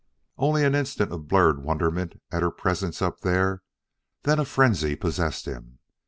Only an instant of blurred wonderment at her presence up there then a frenzy possessed him.